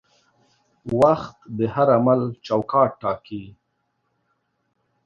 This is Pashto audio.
وخت د هر عمل چوکاټ ټاکي.